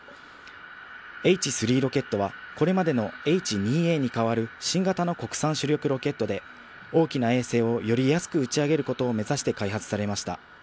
Ｈ３ロケットはこれまでのＨ２Ａに代わる新型の国産主力ロケットで、大きな衛星をより安く打ち上げることを目指して開発されました。